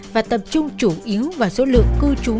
và tập trung chủ yếu vào số lượng cư trú